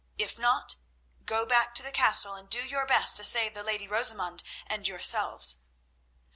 If not, go back to the castle and do your best to save the lady Rosamund and yourselves."